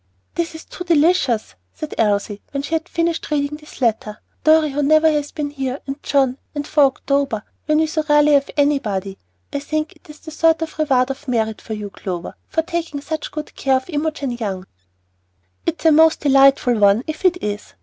"This is too delicious!" said Elsie, when she had finished reading this letter. "Dorry, who never has been here, and John, and for October, when we so rarely have anybody! I think it is a sort of 'reward of merit' for you, Clover, for taking such good care of Imogen Young." "It's a most delightful one if it is.